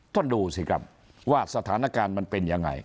ท่านดูสิครับว่าสถานการณ์มันเป็นยังไง